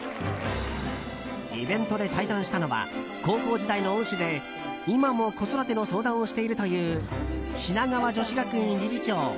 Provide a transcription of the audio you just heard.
イベントで対談したのは高校時代の恩師で今も子育ての相談をしているという品川女子学院理事長